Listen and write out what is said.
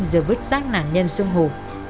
rồi vứt sát nạn nhân xuống hồ